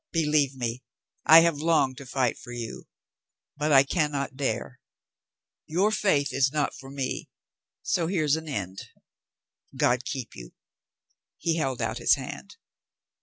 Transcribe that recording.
Believe me, I have longed to fight for you. But I can not dare. Your faith is not for me. So here's an end. God keep you." He held out his hand.